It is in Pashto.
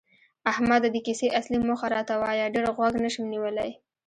احمده! د کیسې اصلي موخه راته وایه، ډېر غوږ نشم نیولی.